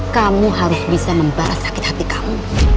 kamu harus bisa membalas sakit hati kamu